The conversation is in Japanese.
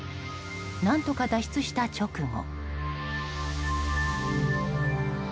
何とか脱出した直後。